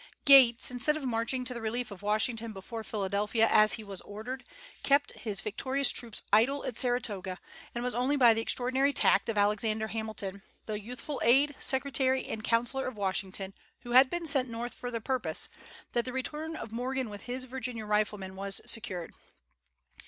Gates, instead of marching to the relief of Washington before Philadelphia, as he was ordered, kept his victorious troops idle at Saratoga; and it was only by the extraordinary tact of Alexander Hamilton, the youthful aide, secretary, and counsellor of Washington, who had been sent North for the purpose, that the return of Morgan with his Virginia riflemen was secured.